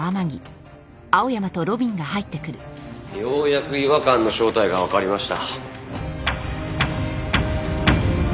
ようやく違和感の正体がわかりました。